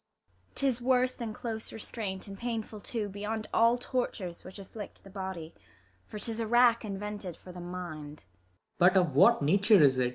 'Tis worse than close restraint, and painful too Beyond all tortures which afflict the body ; For 'tis a rack invented for the mind. Claud.